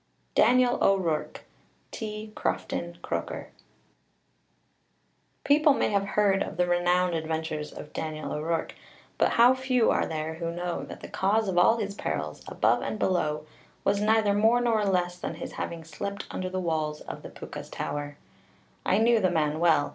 DANIEL O'ROURKE. T. CROFTON CROKER. People may have heard of the renowned adventures of Daniel O'Rourke, but how few are there who know that the cause of all his perils, above and below, was neither more nor less than his having slept under the walls of the Pooka's tower. I knew the man well.